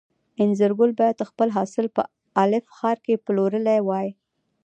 انځرګل باید خپل حاصل په الف ښار کې پلورلی وای.